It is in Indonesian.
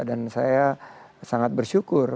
dan saya sangat bersyukur